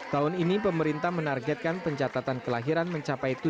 tahun ini pemerintah menargetkan pencatatan kelahiran mencapai